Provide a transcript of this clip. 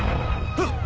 あっ！